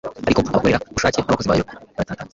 ariko abakorerabushake nabakozi bayo baratatanye